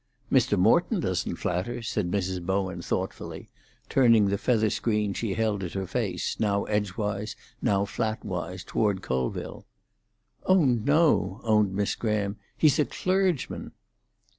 "Mr. Morton doesn't flatter," said Mrs. Bowen thoughtfully, turning the feather screen she held at her face, now edgewise, now flatwise, toward Colville. "Oh no," owned Miss Graham. "He's a clergyman."